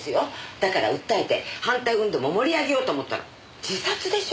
だから訴えて反対運動も盛り上げようと思ったら自殺でしょ？